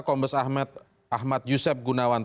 kombes ahmad yusef gunawan